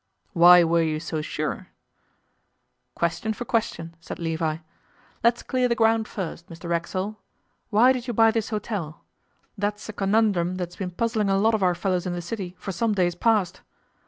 'Why were you so sure?' 'Question for question,' said Levi. 'Let's clear the ground first, Mr Racksole. Why did you buy this hotel? That's a conundrum that's been puzzling a lot of our fellows in the City for some days past.